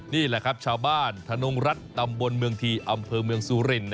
นี่แหละครับชาวบ้านธนงรัฐตำบลเมืองทีอำเภอเมืองสุริน